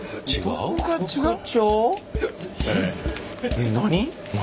えっ何？